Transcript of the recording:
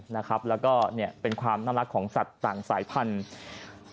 แล้วก็เนี่ยเป็นความน่ารักของสัตว์ต่างสายพันธุ์